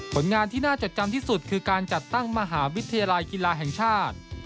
ผลงานที่น่าจดจำที่สุดคือการจัดตั้งมหาวิทยาลัยกีฬาแห่งชาติ